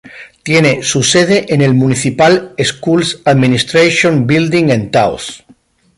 Tiene su sede en el Municipal Schools Administration Building en Taos.